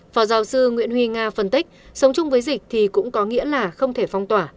phó giáo sư nguyễn huy nga phân tích sống chung với dịch thì cũng có nghĩa là không thể phong tỏa